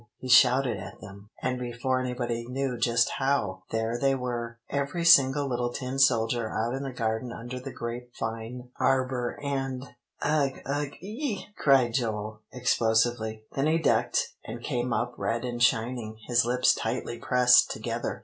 he shouted at them; and before anybody knew just how, there they were, every single little tin soldier out in the garden under the grape vine arbor and" "Ugh ugh ee!" cried Joel explosively. Then he ducked, and came up red and shining, his lips tightly pressed together.